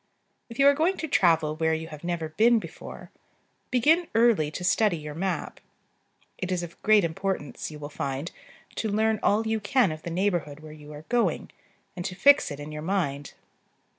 If you are going to travel where you have never been before, begin early to study your map. It is of great importance, you will find, to learn all you can of the neighborhood where you are going, and to fix it in your mind.